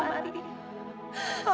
gue sangat mencintai lo